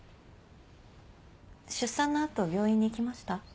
出産の後病院に行きました？